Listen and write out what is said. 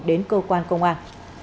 đến cơ quan công an